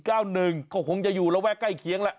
เขาคงจะอยู่ระแวะใกล้เคียงแล้ว